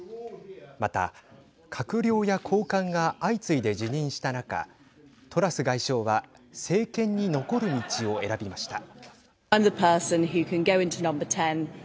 また、閣僚や高官が相次いで辞任した中トラス外相は政権に残る道を選びました。